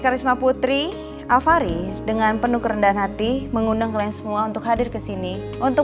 karisma putri avari dengan penuh kerendahan hati mengundang kalian semua untuk hadir kesini untuk